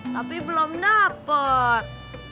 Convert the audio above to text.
tapi belum dapat